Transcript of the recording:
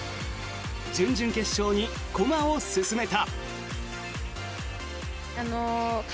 準々決勝に駒を進めた。